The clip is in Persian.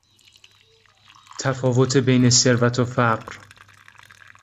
تفاوت بین ثروت و فقر